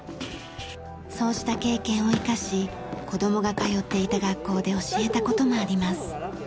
そうした経験を生かし子供が通っていた学校で教えた事もあります。